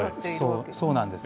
そうなんです。